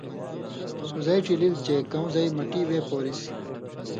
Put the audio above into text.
سو زئ ڇیللیۡ چے کؤں زئ مٹی وے پورِسیۡ۔